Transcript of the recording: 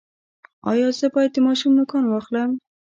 ایا زه باید د ماشوم نوکان واخلم؟